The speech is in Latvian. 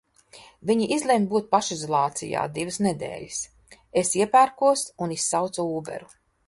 Viņa izlemj būt pašizolācijā divas nedēļas. Es iepērkos un izsaucu ūberu.